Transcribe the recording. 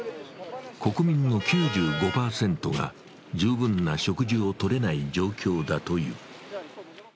国民の９５％が十分な食事をとれない状況だという。